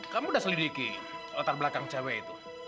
kamu sudah selidiki latar belakang cewek itu